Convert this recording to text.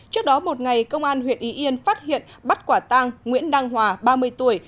trước đó một ngày công an huyện y yên phát hiện bắt quả tang nguyễn đăng hòa ba mươi tuổi